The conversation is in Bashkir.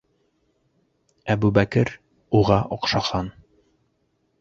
Әбүбәкер... уға оҡшаған...